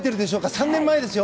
３年前ですよ。